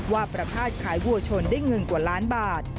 ว่าประพาทขายวัวชนได้เงินกว่าล้านบาท